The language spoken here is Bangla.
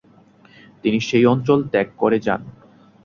তিনি সেই অঞ্চল ত্যাগ করে যান।